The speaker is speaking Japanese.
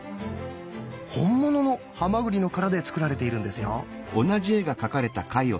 本物のハマグリの殻で作られているんですよ。